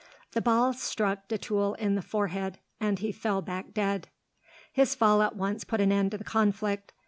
The ball struck de Tulle in the forehead, and he fell back dead. His fall at once put an end to the conflict.